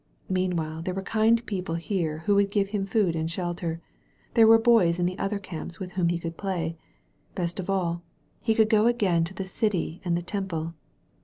Meanwhile there were kind people here who would give him food and shelter. There were boys in the other camps with whom he could play. Best of all, he could go again to the city and the Temple.